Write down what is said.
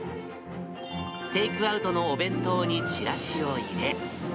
テイクアウトのお弁当にチラシを入れ。